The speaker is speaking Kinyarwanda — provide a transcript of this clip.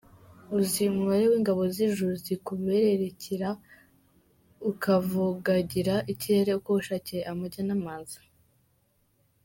Uzi umubare w’ingabo z’ijuru zikubererekera ukavogagira ikirere uko wishakiye, amajya n’amaza?